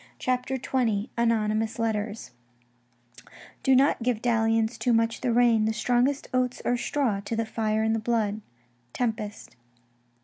CHAPTER XX ANONYMOUS LETTERS Do not give dalli ance Too much the rein ; the strongest oaths are straw To the fire i' the blood. — Tempest.